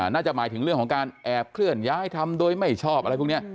น่าจะหมายถึงเรื่องของการแอบเคลื่อนย้ายทำโดยไม่ชอบอะไรพวกนี้